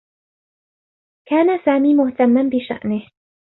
كان سامي مهتمّا بشأنه.